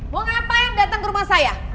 mau ngapain datang ke rumah saya